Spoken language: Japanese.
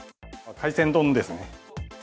海鮮丼ですね。